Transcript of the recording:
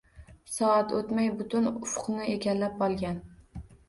Soat o’tmay, butun ufqni egallab olgan.